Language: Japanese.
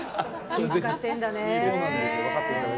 気を使ってるんだね。